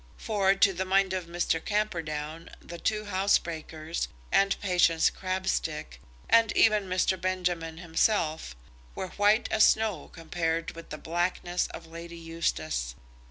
For, to the mind of Mr. Camperdown the two housebreakers, and Patience Crabstick, and even Mr. Benjamin himself, were white as snow compared with the blackness of Lady Eustace.